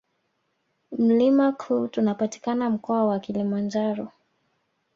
mlima klute unapatikana mkoa wa kilimanjaro